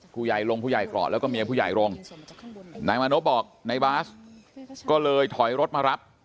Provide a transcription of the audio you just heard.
ผู้ใหญ่ลงผู้ใหญ่เกราะแล้วก็เมียผู้ใหญ่ลงนายมานพบอกนายบาสก็เลยถอยรถมารับ